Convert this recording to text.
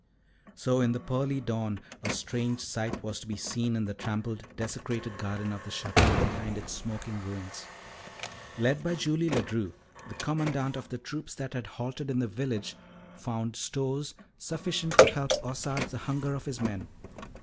So in the pearly dawn, a strange sight was to be seen in the trampled, desecrated garden of the Château behind its smoking ruins. Led by Julie Ledru, the Commandant of the troops that had halted in the village found stores sufficient to help assuage the hunger of his men.